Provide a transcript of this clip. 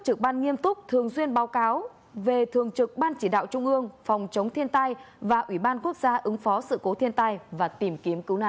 trực ban nghiêm túc thường xuyên báo cáo về thường trực ban chỉ đạo trung ương phòng chống thiên tai và ủy ban quốc gia ứng phó sự cố thiên tai và tìm kiếm cứu nạn